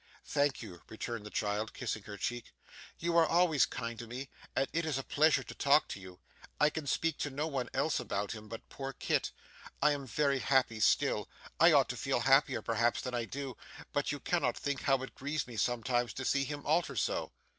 'Thank you,' returned the child, kissing her cheek, 'you are always kind to me, and it is a pleasure to talk to you. I can speak to no one else about him, but poor Kit. I am very happy still, I ought to feel happier perhaps than I do, but you cannot think how it grieves me sometimes to see him alter so.